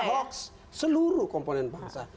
hoax seluruh komponen bangsa